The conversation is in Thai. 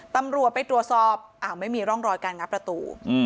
ตำรวจไปตรวจสอบอ้าวไม่มีร่องรอยการงัดประตู